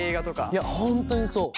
いや本当にそう。